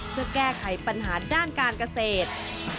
เพื่อแก้ไขปัญหาด้านการเกษตร